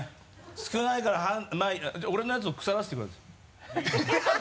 少ないから俺のやつを腐らせてください。